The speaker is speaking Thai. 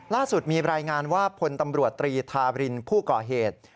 ล่าสุดมีรายงานว่าพลตำรวจตรีทาบรินผู้ก่อเหตุ